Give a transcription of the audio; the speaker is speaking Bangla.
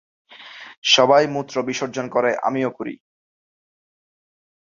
সবাই মুত্র বিসর্জন করে, আমিও করি।